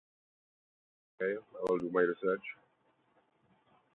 Griffith's original rejection of Whittle's concepts has long been commented on.